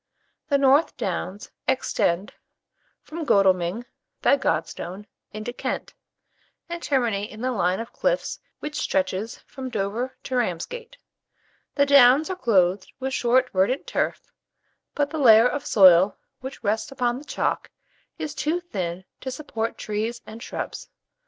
The North Downs extend from Godalming, by Godstone, into Kent, and terminate in the line of cliffs which stretches from Dover to Ramsgate. The Downs are clothed with short verdant turf; but the layer of soil which rests upon the chalk is too thin to support trees and shrubs.